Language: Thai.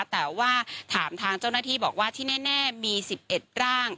แต่ว่าถามทางเจ้าหน้าที่บอกว่าที่แน่มี๑๑ร่าง